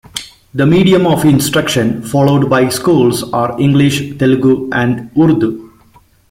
The medium of instruction followed by schools are English, Telugu and Urdu.